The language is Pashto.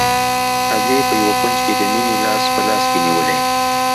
ادې په يوه کونج کښې د مينې لاس په لاس کښې نيولى.